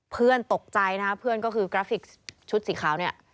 เพื่อนตกใจนะครับเพื่อนก็คือกราฟิกชุดสีขาวเนี่ย